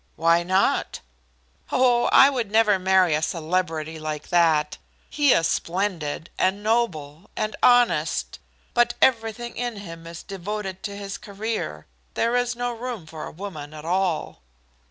"Why not?" "Oh, I would never marry a celebrity like that. He is splendid, and noble, and honest; but everything in him is devoted to his career. There is no room for a woman at all."